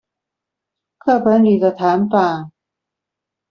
課本裡的談法